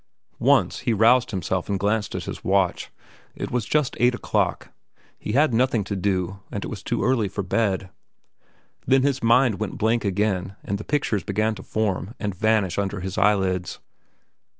Once, he roused himself and glanced at his watch. It was just eight o'clock. He had nothing to do, and it was too early for bed. Then his mind went blank again, and the pictures began to form and vanish under his eyelids.